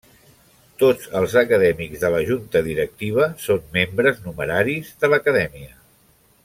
Tots els acadèmics de la Junta Directiva són membres numeraris de l'Acadèmia.